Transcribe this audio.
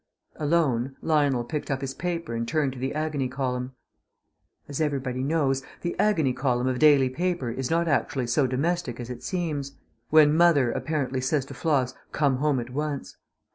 Alone, Lionel picked up his paper and turned to the Agony Column. As everybody knows, the Agony Column of a daily paper is not actually so domestic as it seems. When "Mother" apparently says to "Floss," "Come home at once.